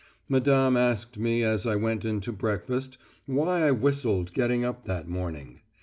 Madame asked me as I went in to breakfast why I whistled getting up that morning.